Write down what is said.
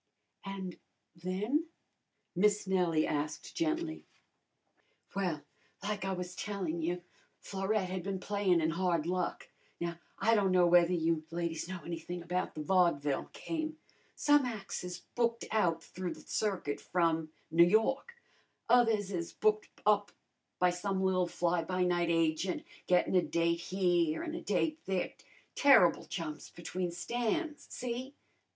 "And then?" Miss Nellie asked gently. "Well, like I was tellin' you, Florette had been playin' in hard luck. Now I don' know whether you ladies know anything about the vodvil game. Some ac's is booked out through the circuit from N' Yawk; others is booked up by some li'l fly by night agent, gettin' a date here an' a date there, terrible jumps between stands, see?